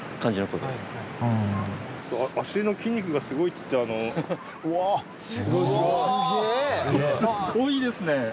すごいですね。